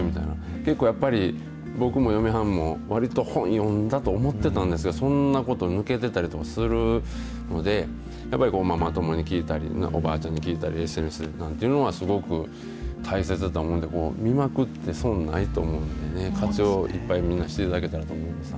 結構やっぱり、僕も嫁はんも、わりと本読んだと思ってたんですけど、そんなこと抜けてたりとかするので、やっぱりママ友に聞いたり、おばあちゃんに聞いたり、ＳＮＳでなんてっていうのは、すごく大切だと思うんで、見まくって損ないと思うんでね、活用、いっぱいみんな、していただけたらと思います。